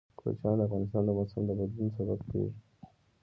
کوچیان د افغانستان د موسم د بدلون سبب کېږي.